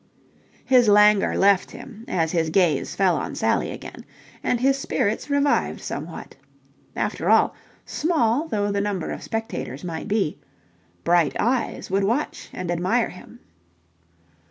His languor left him, as his gaze fell on Sally again, and his spirits revived somewhat. After all, small though the numbers of spectators might be, bright eyes would watch and admire him.